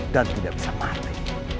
dan tidak bisa mati